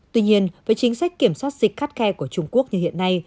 tuy nhiên với chính sách kiểm soát dịch khắt khe của trung quốc như hiện nay